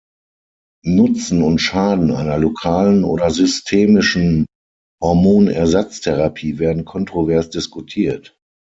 Nutzen und Schaden einer lokalen oder systemischen Hormonersatztherapie werden kontrovers diskutiert.